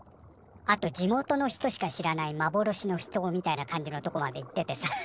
あと地元の人しか知らないまぼろしの秘湯みたいな感じのとこまで行っててさ。